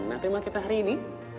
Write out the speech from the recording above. nah tema kita hari ini